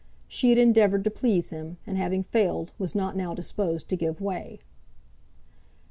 She had endeavoured to please him, and, having failed, was not now disposed to give way.